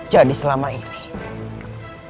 jadi selama ini